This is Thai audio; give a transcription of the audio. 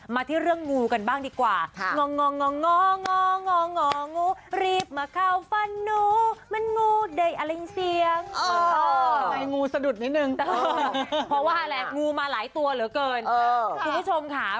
มาที่เรื่องงูกันบ้างดีกว่า